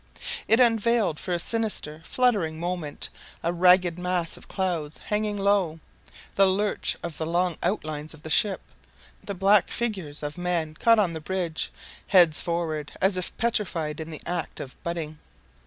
It unveiled for a sinister, fluttering moment a ragged mass of clouds hanging low, the lurch of the long outlines of the ship, the black figures of men caught on the bridge, heads forward, as if petrified in the act of butting.